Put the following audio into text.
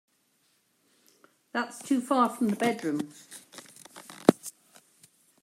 That's too far from the bedroom.